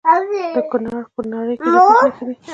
د کونړ په ناړۍ کې د څه شي نښې دي؟